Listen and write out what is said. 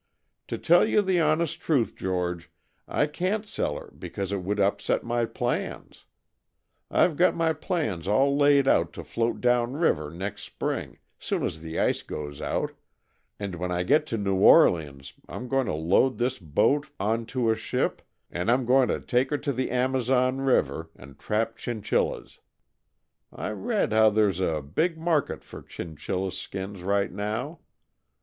"To tell you the honest truth, George, I can't sell her because it would upset my plans. I've got my plans all laid out to float down river next spring, soon as the ice goes out, and when I get to New Orleans I'm going to load this boat on to a ship, and I'm going to take her to the Amazon River, and trap chinchillas. I read how there's a big market for chinchilla skins right now.